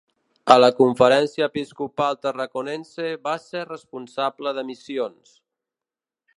A la Conferència Episcopal Tarraconense va ser responsable de Missions.